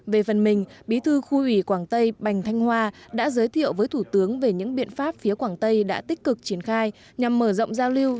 về phần mình bí thư khu ủy quảng tây bành thanh hoa đã giới thiệu với thủ tướng về những biện pháp phía quảng tây đã tích cực triển khai nhằm mở rộng giao lưu